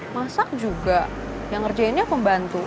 masak juga yang ngerjainnya pembantu